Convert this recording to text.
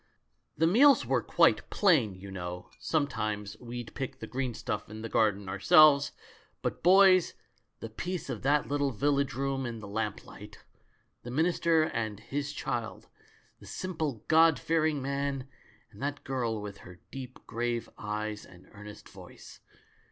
The meals were quite plain, you know — sometimes we'd pick the green stuff in the garden ourselves — but, boys, the peace of that little village room in the lamplight! The minister and his child — the simple. God fearing man and that girl with her deep, grave eyes, and earnest voice.